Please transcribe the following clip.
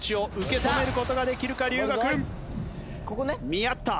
見合った。